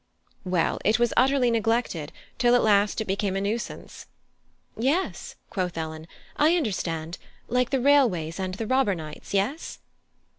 "Well, it was utterly neglected, till at last it became a nuisance " "Yes," quoth Ellen, "I understand: like the railways and the robber knights. Yes?"